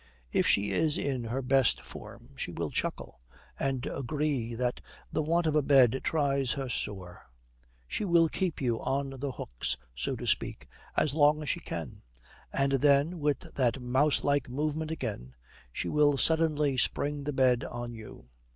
If she is in her best form she will chuckle, and agree that the want of a bed tries her sore; she will keep you on the hooks, so to speak, as long as she can; and then, with that mouse like movement again, she will suddenly spring the bed on you.